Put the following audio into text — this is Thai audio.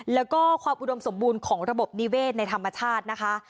แล้วก็ความอุดมสมบูรณ์ของระบบนิเวศในธรรมชาตินะคะ